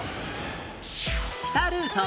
北ルート